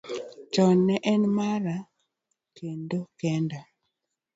chon ne en mar kedo kende.